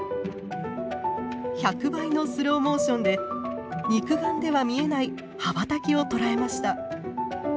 １００倍のスローモーションで肉眼では見えない羽ばたきを捉えました。